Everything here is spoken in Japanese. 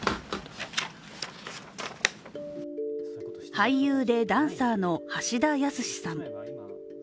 俳優でダンサーの橋田康さん。